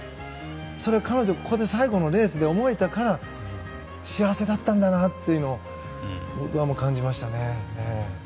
それを彼女はこの最後のレースで思えたから幸せだったんだなというのを僕は感じましたね。